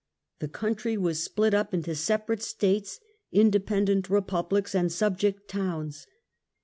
The country was split up into separate states, independent repubhcs and subject towns.